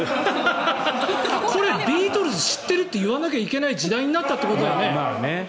ビートルズ知ってるって言わなきゃいけない時代になったということだよね。